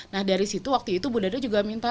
nah dari situ waktu itu bu dada juga minta